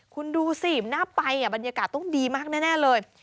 คุณดูสิน่าไปบรรยากาศต้องดีมากแน่เลย